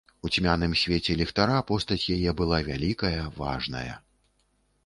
У цьмяным свеце ліхтара постаць яе была вялікая, важная.